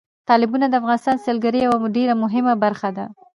تالابونه د افغانستان د سیلګرۍ یوه ډېره مهمه برخه ده.